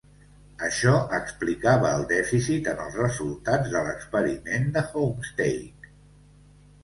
Això explicava el dèficit en els resultats de l'experiment de Homestake.